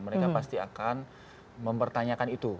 mereka pasti akan mempertanyakan itu